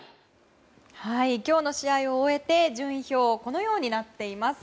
今日の試合を終えて順位表はこのようになっています。